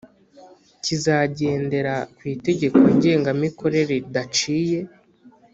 kizagendera ku itegeko ngengamikorere ridaciye